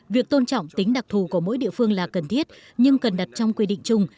việc tôn trọng tính đặc thù của mỗi địa phương là cần thiết nhưng cần đặt trong quy định chung